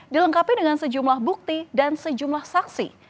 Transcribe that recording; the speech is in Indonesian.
dilengkapi dengan sejumlah bukti dan sejumlah saksi